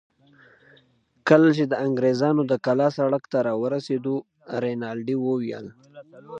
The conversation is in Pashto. کله چې د انګرېزانو د کلا سړک ته راورسېدو، رینالډي وویل.